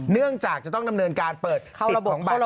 เนื่องจากจะต้องดำเนินการเปิดสิทธิ์ของบัตร